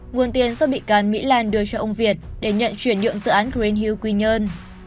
nguồn tiền do bị can mỹ lan đưa cho ông việt để nhận chuyển nhượng dự án green hilk quy nhơn